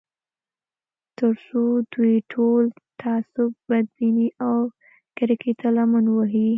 تر څو دوی ټول تعصب، بدبینۍ او کرکې ته لمن ووهي